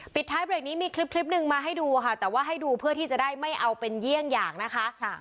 ท้ายเบรกนี้มีคลิปหนึ่งมาให้ดูค่ะแต่ว่าให้ดูเพื่อที่จะได้ไม่เอาเป็นเยี่ยงอย่างนะคะ